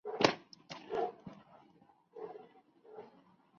El orden es alterado de acuerdo con un esquema bien definido.